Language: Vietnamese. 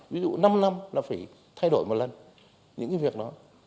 ví dụ năm năm là phải thay đổi một lần những cái việc đó